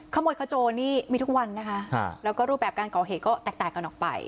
ขโมยขโจรนี่มีทุกวันนะคะแล้วก็รูปแบบการก่อเหตุก็แตกต่างกันออกไป